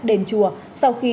để cha nãy